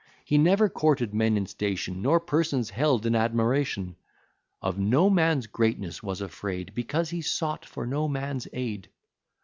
He never courted men in station, Nor persons held in admiration; Of no man's greatness was afraid, Because he sought for no man's aid.